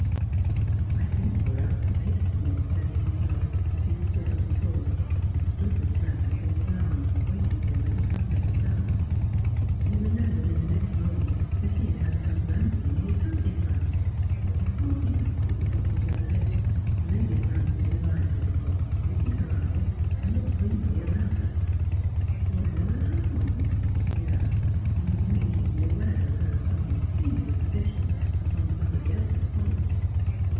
' I think we're out of it,' Morton said to himself, as he pulled up his horse, and stood with Frances in his arms, waiting for her to come to herself. He remembered in the next moment that he had some bra in his hunting flask, but before he could put the bottle to lips, Lady Frances revived a little, opened her eyes, and looked dreamily about her. ' Where are the hounds 1 ' she asked, not immediately aware of her somewhat singular position upon somebody else's horse.